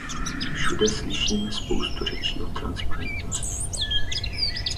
Všude slyšíme spoustu řečí o transparentnosti.